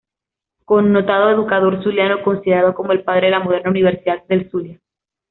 Connotado educador zuliano, considerado como el padre de la moderna Universidad del Zulia.